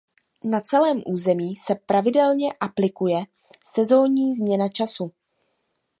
Na celém území se pravidelně aplikuje sezónní změna času.